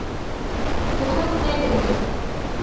Jixwe ne girîng e.